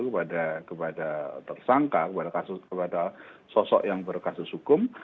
kepada tersangka kepada sosok yang berkasus hukum